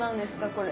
これ。